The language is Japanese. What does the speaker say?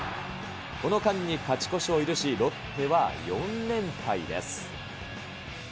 この間に勝ち越しを許し、ロッテは４連敗です。